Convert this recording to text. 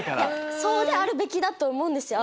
そうであるべきだと思うんですよ